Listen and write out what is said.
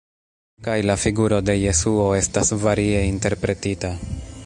Kaj la figuro de Jesuo estas varie interpretita.